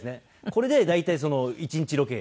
これで大体１日ロケ。